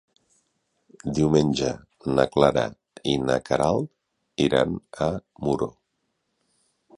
Diumenge na Clara i na Queralt iran a Muro.